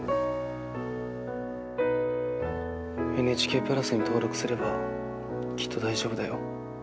ＮＨＫプラスに登録すればきっと大丈夫だよ。